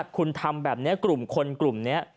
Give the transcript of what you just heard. คุณทำแบบนี้กลุ่มคนกลุ่มนี้